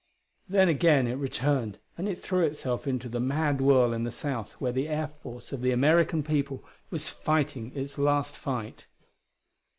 Then again it returned, and it threw itself into the mad whirl in the south where the air force of the American people was fighting its last fight.